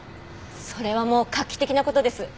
それはもう画期的なことです。